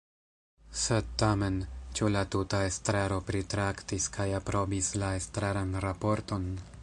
Sed tamen, ĉu la tuta estraro pritraktis kaj aprobis la estraran raporton?